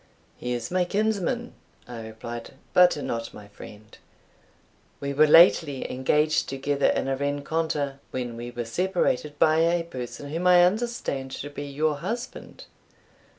"He is my kinsman," I replied, "but not my friend. We were lately engaged together in a rencontre, when we were separated by a person whom I understand to be your husband.